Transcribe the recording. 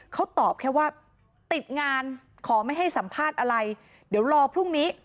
เขาตอบแค่ว่าติดงานขอไม่ให้สัมภาษณ์อะไรเดี๋ยวรอพรุ่งนี้